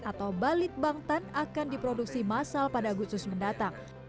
atau balit bangtan akan diproduksi masal pada agustus mendatang